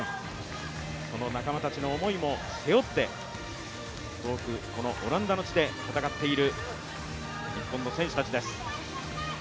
その仲間たちの思いも背負って、遠くオランダの地で戦っている日本の選手たちです。